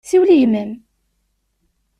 Siwel i gma-m.